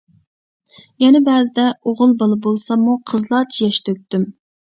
يەنە بەزىدە ئوغۇل بالا بولساممۇ قىزلارچە ياش تۆكتۈم.